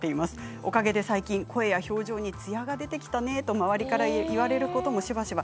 おかげで最近声や表情にツヤが出てきたねと周りから言われることもしばしば。